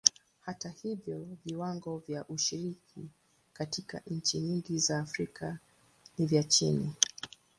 Hata hivyo, viwango vya ushiriki katika nchi nyingi za Afrika ni vya chini.